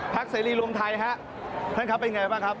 พักศรีรงค์ไทยแทนซ่าครับเป็นไงบ้างครับ